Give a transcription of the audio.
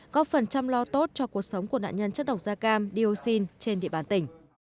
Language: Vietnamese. có phần chăm lo tốt cho cuộc sống của nạn nhân chất độc da cam dioxin trên địa bàn tỉnh